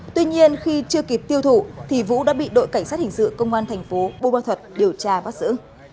tuy nhiên khi chưa kịp tiêu thụ thì vũ đã bị đội cảnh sát hình sự công an thành phố bô ma thuật điều tra bắt giữ